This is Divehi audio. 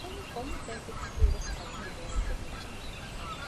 އެހެނީ ކޮންމެ ފެން ތިއްކަކީ ވެސް އަގުހުރި ބޭނުންތެރި އެއްޗެއް